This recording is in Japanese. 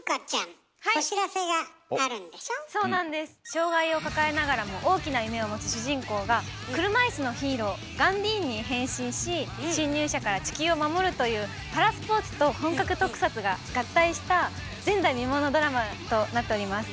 障害を抱えながらも大きな夢を持つ主人公が車いすのヒーローガンディーンに変身し侵入者から地球を守るというパラスポーツと本格特撮が合体した前代未聞のドラマとなっております。